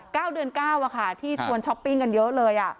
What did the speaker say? เดือนเก้าอะค่ะที่ชวนช้อปปิ้งกันเยอะเลยอ่ะ